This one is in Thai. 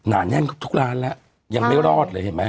นาแน่นทุกร้านแล้วยังไม่รอดเลยเห็นไหม